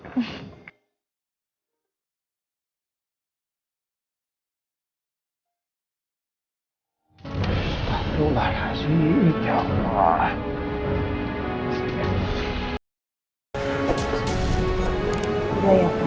udah ya pak